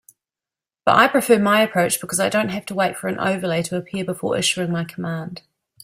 But I prefer my approach because I don't have to wait for an overlay to appear before issuing my command.